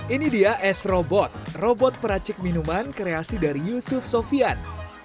ini dia s robot robot peracik minuman kreasi dari yusuf sofian